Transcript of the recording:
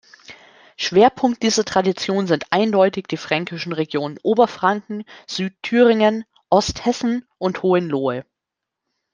Schwerpunkt dieser Tradition sind eindeutig die fränkischen Regionen Oberfranken, Südthüringen, Osthessen und Hohenlohe.